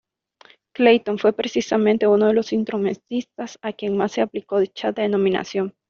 Clayton fue precisamente uno de los instrumentistas a quien más se aplicó dicha denominación.